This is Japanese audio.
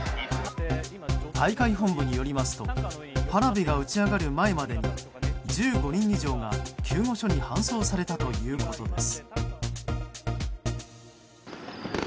大会本部によりますと花火が打ち上がる前までに１５人以上が救護所に搬送されたということです。